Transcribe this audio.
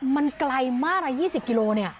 มันไกลมากละ๒๐กิโล